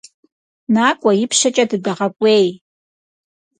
Nak'ue, yipşeç'e dıdeğek'uêy.